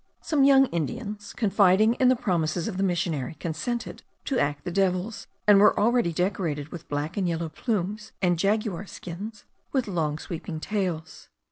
Some young Indians, confiding in the promises of the missionary, consented to act the devils, and were already decorated with black and yellow plumes, and jaguar skins with long sweeping tails.